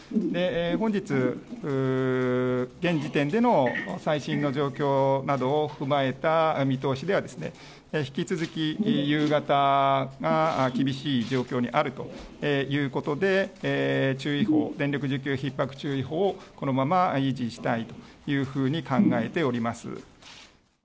本日、現時点での最新の状況などを踏まえた見通しではですね、引き続き夕方が厳しい状況にあるということで、注意報、電力需給ひっ迫注意報をこのまま維持したいというふうに考えております。